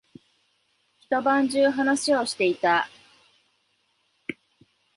一晩中話をしていた。